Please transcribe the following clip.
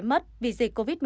mất vì dịch covid một mươi chín